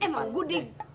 eh mau gue dik